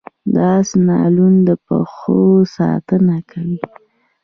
د اس نالونه د پښو ساتنه کوي